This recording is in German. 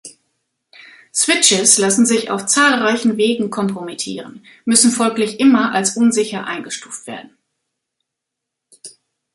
Switches lassen sich auf zahlreichen Wegen kompromittieren, müssen folglich immer als unsicher eingestuft werden.